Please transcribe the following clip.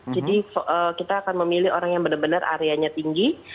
jadi kita akan memilih orang yang bener bener areanya tinggi